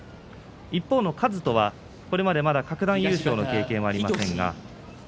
一方の一翔、これまで各段優勝の経験はありません。